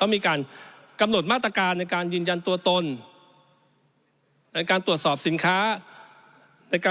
ต้องมีการกำหนดมาตรการในการยืนยันตัวตนในการตรวจสอบสินค้าในการ